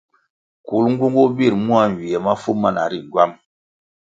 Kulnğunğu bir mua nywiè mafu mana ri ngywam.